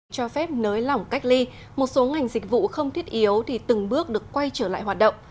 cho phép nới lỏng cách ly một số ngành dịch vụ không thiết yếu thì từng bước được quay trở lại hoạt động